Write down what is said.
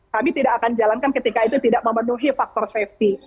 kami tidak akan jalankan ketika itu tidak memenuhi faktor safety